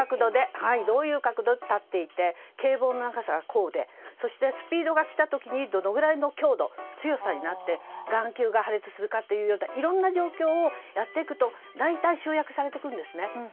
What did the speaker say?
どういう角度で立っていて警棒の長さがこうでそして、スピードが来た時にどれくらいの強度強さになって眼球が破裂するかというようないろんな状況をやっていくと大体集約されていくんですね。